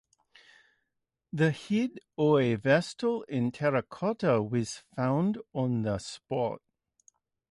The head of a Vestal in terracotta was found on the spot.